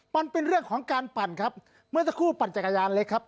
มันเป็นเรื่องของการปั่นครับเมื่อสักครู่ปั่นจักรยานเล็กครับ